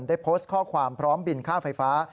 ได้โพสต์ข้อความพร้อมบินค่าไฟฟ้า